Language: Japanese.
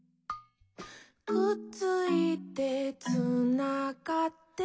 「くっついてつながって」